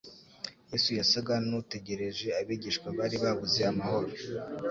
Yesu yasaga n'utegereje. Abigishwa bari babuze amahoro.